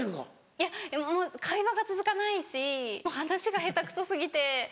いやでも会話が続かないし話が下手くそ過ぎて。